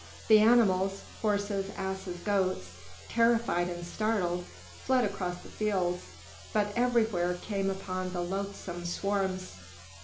The animals, horses, asses, goats, terrified and startled, fled across the fields, but everywhere came upon the loathsome swarms.